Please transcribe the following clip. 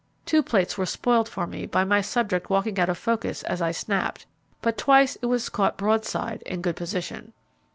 Two plates were spoiled for me by my subject walking out of focus as I snapped, but twice it was caught broadside in good position.